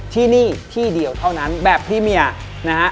ที่นี่ที่เดียวเท่านั้นแบบพี่เมียนะฮะ